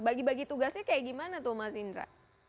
bagi bagi tugasnya kayak gimana tuh mas indra